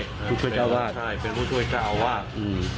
เป็นผู้ช่วยเจ้าอาวาสใช่เป็นผู้ช่วยเจ้าอาวาส